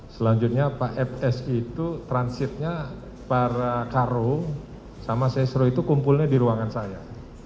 selanjutnya pak fs itu transitnya para karung sama sesro itu kumpulnya di ruangan saya